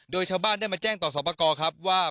โดยชาวบ้านได้มาแจ้งต่อสอบประกอบครับว่า